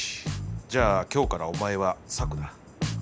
じゃあ今日からお前はサクだ。